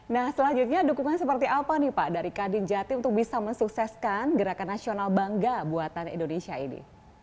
nah selanjutnya dukungan seperti apa nih pak dari kadin jatim untuk bisa mensukseskan gerakan nasional bangga buatan indonesia ini